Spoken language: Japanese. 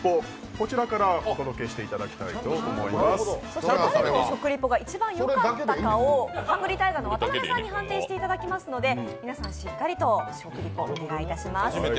こちらからお届けしていただきたいと思います誰の食リポがよかったかをハングリータイガーの渡邊さんに判定していただきますので皆さんしっかりと食リポお願いします。